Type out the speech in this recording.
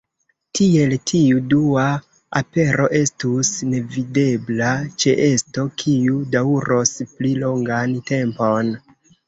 Tiel tiu Dua Apero estus nevidebla ĉeesto, kiu daŭros pli longan tempon.